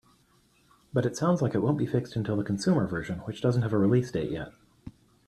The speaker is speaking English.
But it sounds like it won't be fixed until the consumer version, which doesn't have a release date yet.